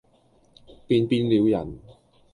便變了人，